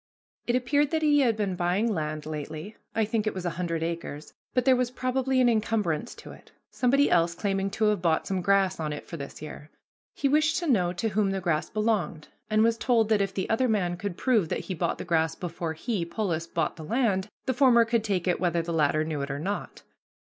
It appeared that he had been buying land lately I think it was a hundred acres but there was probably an incumbrance to it, somebody else claiming to have bought some grass on it for this year. He wished to know to whom the grass belonged, and was told that if the other man could prove that he bought the grass before he, Polis, bought the land, the former could take it whether the latter knew it or not.